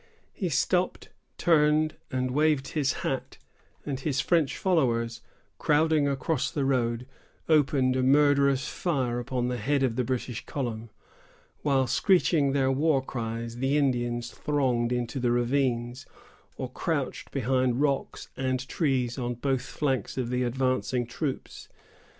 He stopped, turned, and waved his hat, and his French followers, crowding across the road, opened a murderous fire upon the head of the British column, while, screeching their war cries, the Indians thronged into the ravines, or crouched behind rocks and trees on both flanks of the advancing troops.